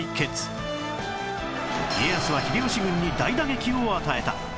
家康は秀吉軍に大打撃を与えた